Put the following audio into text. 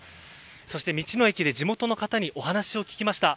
そして道の駅で地元の方にお話を聞きました。